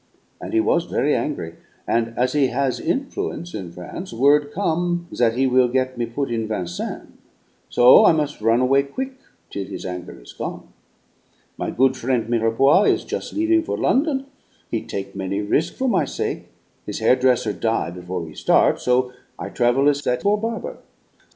And he was very angry, and, as he has influence in France, word come' that he will get me put in Vincennes, so I mus' run away quick till his anger is gone. My good frien' Mirepoix is jus' leaving for London; he take' many risk' for my sake; his hairdresser die before he start', so I travel as that poor barber.